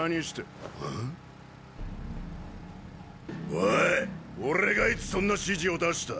おい俺がいつそんな指示を出した？